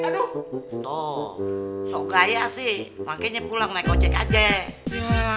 tuh so kaya sih makanya pulang naik ojek aja